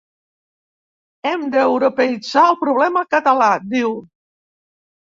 Hem d’europeïtzar el problema català, diu.